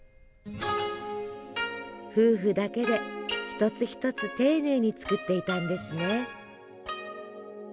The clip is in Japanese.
夫婦だけで一つ一つ丁寧に作っていたんですね。